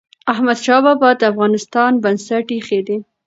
احمد شاه بابا د افغانستان بنسټ ايښی دی.